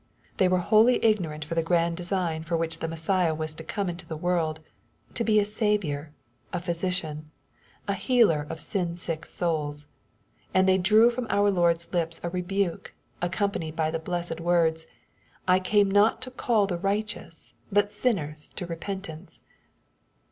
They were wholly ignorant of the grand design for which the Messiah was to come into the world, to be a Saviour, a Physician, a healer of sin sick souls. And they drew from our Lord's lips a rebuke, accompanied by the blessed words, " I came not to call the righteous, but sinners to repentance.".